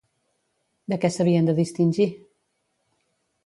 De què s'havien de distingir?